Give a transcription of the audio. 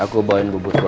aku bawain bubur ke mama